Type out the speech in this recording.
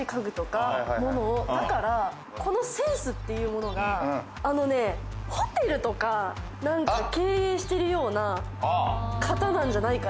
だから、このセンスっていうのがホテルとか経営しているような方なんじゃないかな。